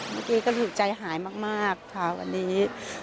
เมื่อกี้ก็ถูกใจหายมากค่ะวันนี้